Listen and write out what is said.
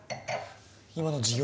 今の事業